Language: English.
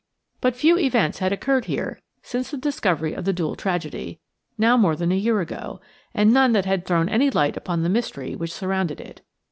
But few events had occurred here since the discovery of the dual tragedy, now more than a year ago, and none that had thrown any light upon the mystery which surrounded it.